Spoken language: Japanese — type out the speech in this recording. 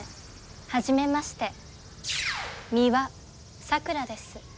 はじめまして美羽さくらです。